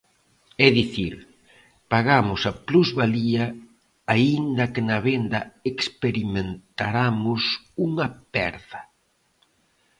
É dicir, pagamos a plusvalía aínda que na venda experimentaramos unha perda.